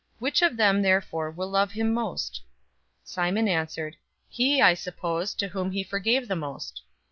Which of them therefore will love him most?" 007:043 Simon answered, "He, I suppose, to whom he forgave the most."